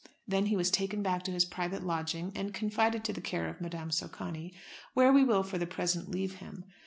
Then he was taken back to his private lodging, and confided to the care of Madame Socani, where we will for the present leave him.